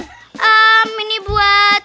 ehm ini buat